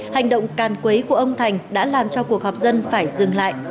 hành động càn quấy của ông thành đã làm cho cuộc họp dân phải dừng lại